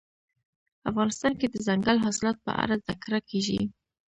افغانستان کې د دځنګل حاصلات په اړه زده کړه کېږي.